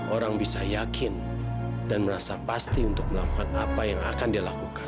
orang bisa yakin dan merasa pasti untuk melakukan apa yang akan dia lakukan